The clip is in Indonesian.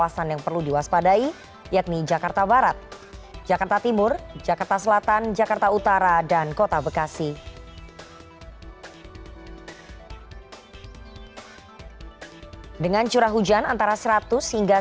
selanjutnya untuk potensi hujan yang perlu diwaspadai potensi serupa dengan curah hujan antara lima puluh hingga seratus mm